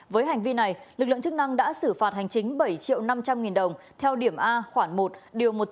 với hành vi này lực lượng chức năng đã xử phạt hành chính bảy triệu năm trăm linh nghìn đồng theo điểm a khoảng một điều một trăm linh